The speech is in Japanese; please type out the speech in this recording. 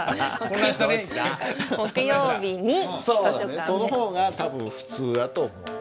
そうだねその方が多分普通だと思う。